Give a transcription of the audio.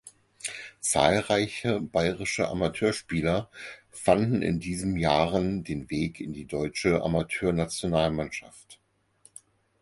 Zahlreiche bayerische Amateurspieler fanden in diesen Jahren den Weg in die deutsche Amateurnationalmannschaft.